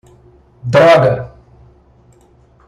Droga!